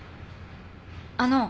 あの。